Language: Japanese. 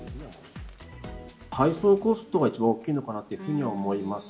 配送コストが一番大きいのかなというふうには思います。